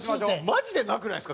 マジでなくないですか？